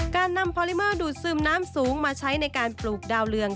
การนำพอลิเมอร์ดูดซึมน้ำสูงมาใช้ในการปลูกดาวเรือง